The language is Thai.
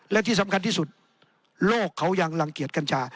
และที่สำคัญที่สุดโลกเขายังรังเกียจกัญชา